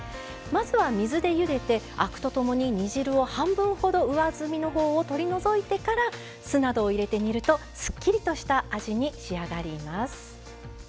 まずは水でゆでてアクとともに煮汁を半分ほど上澄みのほうを取り除いてから酢などを入れて煮るとすっきりとした味に仕上がります。